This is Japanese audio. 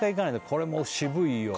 これも渋いよ